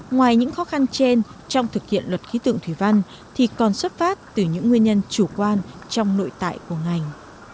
ngoài những khó khăn trên trong thực hiện luật khí tượng thủy văn thì còn xuất phát từ những nguyên nhân chủ quan trong nội tại của ngành